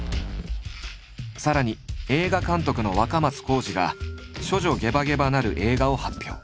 さらに映画監督の若松孝二が「処女ゲバゲバ」なる映画を発表。